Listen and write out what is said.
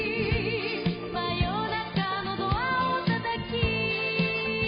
「真夜中のドアをたたき」